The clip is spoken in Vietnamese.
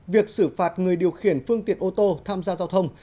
việc xử phạt người điều khiển phương tiện ô tô tham gia giao thông